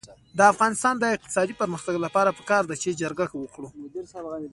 د افغانستان د اقتصادي پرمختګ لپاره پکار ده چې جرګه وکړو.